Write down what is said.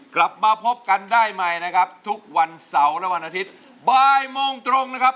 กลับมาพบกันได้ใหม่นะครับทุกวันเสาร์และวันอาทิตย์บ่ายโมงตรงนะครับ